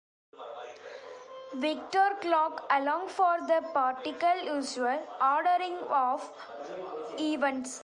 Vector clocks allow for the partial causal ordering of events.